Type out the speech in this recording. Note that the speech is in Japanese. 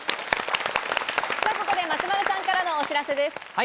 ここで松丸さんからのお知らせです。